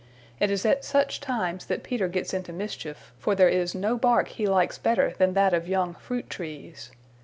It is at such times that Peter gets into mischief, for there is no bark he likes better than that of young fruit trees.